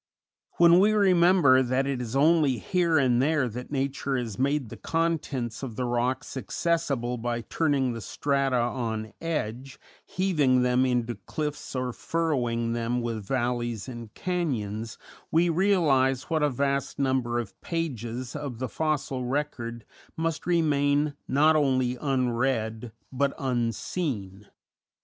When we remember that it is only here and there that nature has made the contents of the rocks accessible by turning the strata on edge, heaving them into cliffs or furrowing them with valleys and canyons, we realize what a vast number of pages of the fossil record must remain not only unread, but unseen.